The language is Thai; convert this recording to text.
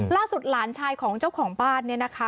หลานชายของเจ้าของบ้านเนี่ยนะคะ